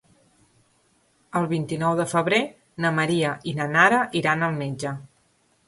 El vint-i-nou de febrer na Maria i na Nara iran al metge.